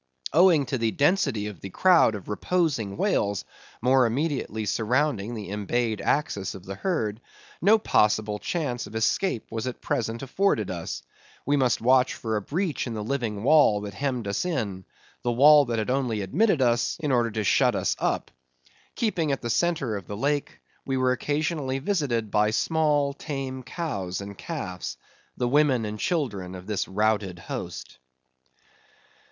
Owing to the density of the crowd of reposing whales, more immediately surrounding the embayed axis of the herd, no possible chance of escape was at present afforded us. We must watch for a breach in the living wall that hemmed us in; the wall that had only admitted us in order to shut us up. Keeping at the centre of the lake, we were occasionally visited by small tame cows and calves; the women and children of this routed host.